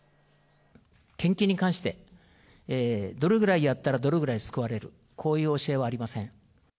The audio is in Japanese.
献金に関して、どれぐらいやったら、どれぐらい救われる、こういう教えはありません。